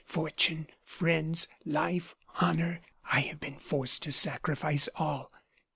Fortune, friends, life, honor I have been forced to sacrifice all.